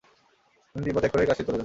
তিনি তিব্বত ত্যাগ করে কাশ্মীর চলে যান।